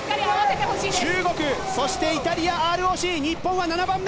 中国、イタリア、ＲＯＣ日本は７番目。